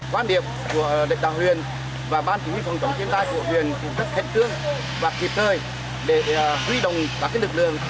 quan điểm của lãnh đạo huyện và ban chính minh phòng chống thiên tai của huyện rất thật tương và thiệt hợi để duy đồng các lực lượng